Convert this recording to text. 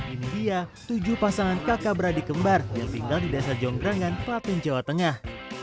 ini dia tujuh pasangan kakak beradik kembar yang tinggal di desa jonggrangan klaten jawa tengah